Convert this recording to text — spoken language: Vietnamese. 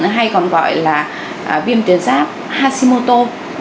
hay còn gọi là viêm tuyến giáp hashimoto